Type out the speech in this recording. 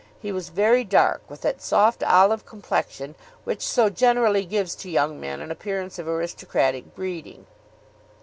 He was very dark, with that soft olive complexion which so generally gives to young men an appearance of aristocratic breeding.